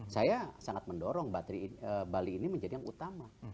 saya sangat mendorong bali ini menjadi yang utama